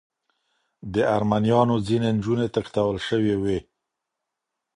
د ارمنیانو ځینې نجونې تښتول شوې وې.